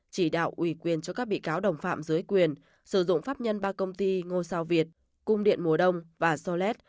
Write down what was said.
chỉ đạo ủy quyền cho các bị cáo đồng phạm dưới quyền sử dụng pháp nhân ba công ty ngôi sao việt cung điện mùa đông và solet